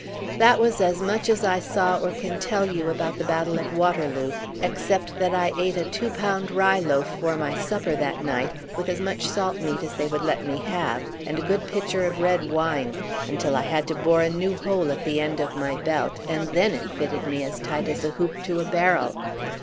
That was as much as I saw or can tell you about the Battle of Waterloo, except that I ate a two pound rye loaf for my supper that night, with as much salt meat as they would let me have, and a good pitcher of red wine, until I had to bore a new hole at the end of my belt, and then it fitted me as tight as a hoop to a barrel.